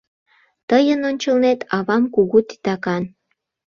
Тыйын ончылнет авам кугу титакан.